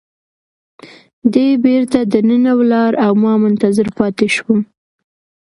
دی بیرته دننه ولاړ او ما منتظر پاتې شوم.